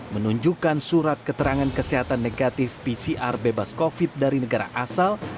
menunjukkan surat keterangan kesehatan negatif pcr bebas covid dari negara asal